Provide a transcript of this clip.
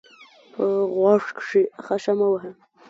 په غوږ کښي خاشه مه وهه!